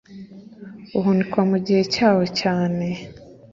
uhunikwa mu gihe cyawo cyane